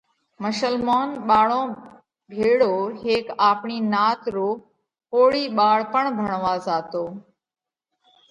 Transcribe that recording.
مشلمونَ ٻاۯون ڀيۯو هيڪ آپڻِي نات رو ڪوۯِي ٻاۯ پڻ ڀڻوا زاتو۔